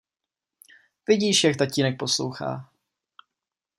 Vidíš, jak tatínek poslouchá.